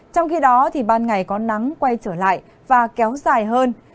trong khi đó ban ngày có nắng quay trở lại và kéo dài hơn